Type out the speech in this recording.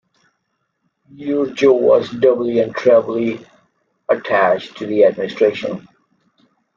Yrujo was doubly and trebly attached to the Administration.